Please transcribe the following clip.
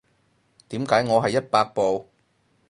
點解我係一百步